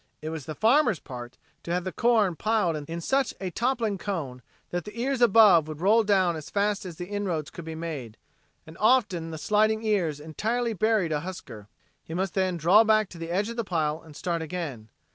It was the farmer's part to have the corn piled in such a toppling cone that the ears above would roll down as fast as the inroads could be made, and often the sliding ears entirely buried a husker. He must then draw back to the edge of the pile and start again.